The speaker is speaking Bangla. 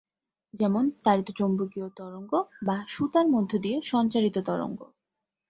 যেমন তাড়িতচৌম্বকীয় তরঙ্গ বা সুতার মধ্যে দিয়ে সঞ্চারিত তরঙ্গ।